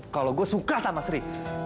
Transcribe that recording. kalau gue suka sama sri